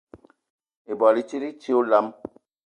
Ibwal i tit i ti olam.